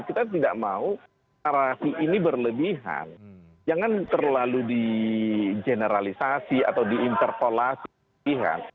kita tidak mau narasi ini berlebihan jangan terlalu di generalisasi atau diinterpelasi